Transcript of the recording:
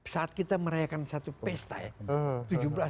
saat kita merayakan satu pesta ya